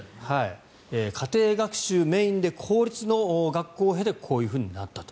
家庭学習メインで公立の学校を経てこういうふうになったと。